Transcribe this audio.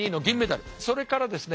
それからですね